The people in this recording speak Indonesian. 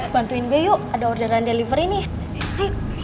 bantuin gue yuk ada orderan delivery nih